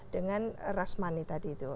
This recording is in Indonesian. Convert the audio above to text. dengan rasmani tadi itu